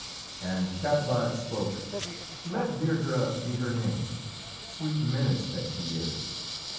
And Cathbad spoke: "Let Deirdrê be her name, sweet menace that she is."